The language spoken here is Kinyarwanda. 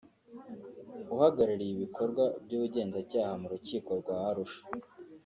uhagarariye ibikorwa by’Ubugenzacyaha mu Rukiko rwa Arusha